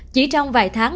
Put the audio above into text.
chỉ trong vài tháng